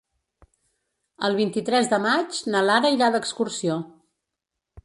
El vint-i-tres de maig na Lara irà d'excursió.